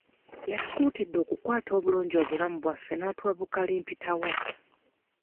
Yatukuutidde okukata obulungi obulamu bwaffe n'atuwa bu kalimpitawa.